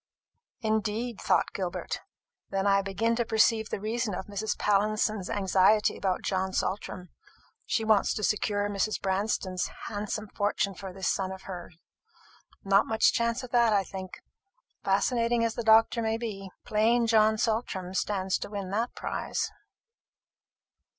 "Indeed!" thought Gilbert. "Then I begin to perceive the reason of Mrs. Pallinson's anxiety about John Saltram. She wants to secure Mrs. Branston's handsome fortune for this son of hers. Not much chance of that, I think, fascinating as the doctor may be. Plain John Saltram stands to win that prize."